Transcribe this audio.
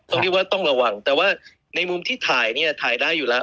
ตรงนี้ว่าต้องระวังแต่ว่าในมุมที่ถ่ายเนี่ยถ่ายได้อยู่แล้ว